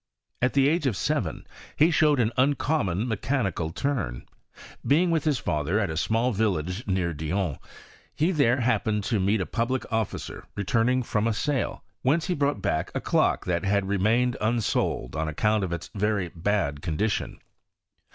At the age of seven h« showed an uncommon mechanical turn : beingwith hia father at a small village near Dijon, he there happened to meet a public officer returning from a sale, whence he had brought back a clock that had lemained unsold on account of its very bad condi< PROGRESS or CHEMISTRY IK FRANCE. 175 tion.